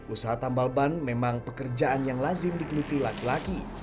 usaha tambal ban memang pekerjaan yang lazim digeluti laki laki